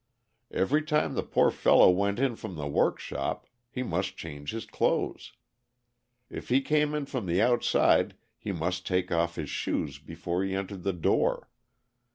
Every time the poor fellow went in from the workshop he must change his clothes. If he came in from the outside he must take off his shoes before he entered the door.